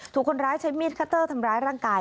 ถูกคนร้ายใช้มีดคัตเตอร์ทำร้ายร่างกาย